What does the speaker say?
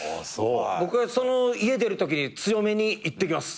僕は家出るときに強めにいってきます！